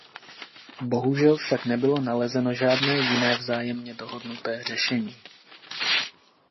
Bohužel však nebylo nalezeno žádné jiné vzájemně dohodnuté řešení.